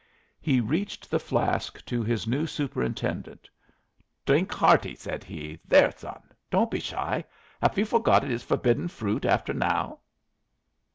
He reached the flask to his new superintendent. "Drink hearty," said he. "There, son! Don't be shy. Haf you forgot it is forbidden fruit after now?"